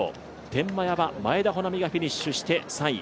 天満屋は前田穂南がフィニッシュして３位。